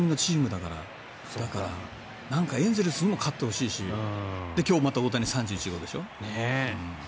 だからエンゼルスにも勝ってほしいし今日、また大谷、３１号でしょ？